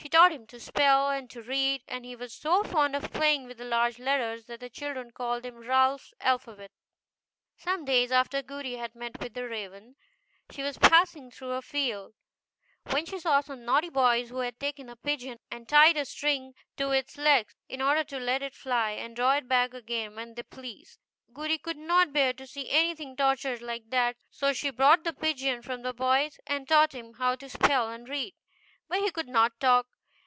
She taught him to spell, and to read, and he was so fond of playing with the large letters, that the children called them " Ralph's Alphabet." Some days after Goody had met with the raven, she was passing through a field, when she saw some naughty boys who had taken a pigeon, and tied a string to its legs in order to let it fly and draw it back again when they pleased. Goody could not bear to see anything tortured like that, so she bought the pigeon from the boys and taught him how to spell and read. But he could not talk.